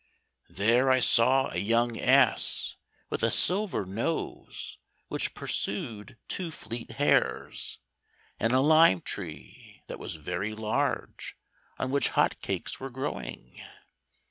There I saw a young ass with a silver nose which pursued two fleet hares, and a lime tree that was very large, on which hot cakes were growing.